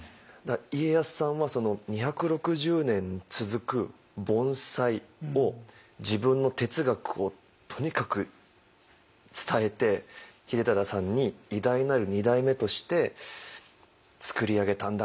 家康さんはその２６０年続く盆栽を自分の哲学をとにかく伝えて秀忠さんに偉大なる二代目として作り上げたんだなって。